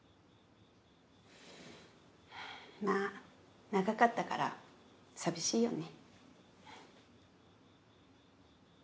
ま長かったから寂しいよね。